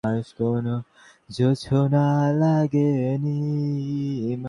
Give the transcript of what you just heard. আসল কথা হচ্ছে, ছেলেদের ফুটবলেও প্রতিভা বেরোয়।